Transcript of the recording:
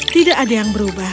tidak ada yang berubah